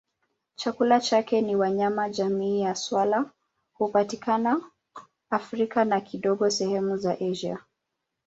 Chakula chake ni wanyama jamii ya swala hupatikana Afrika na kidogo sehemu za Asia.